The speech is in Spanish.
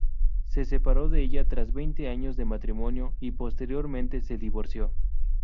Se separó de ella tras veinte años de matrimonio y posteriormente se divorció.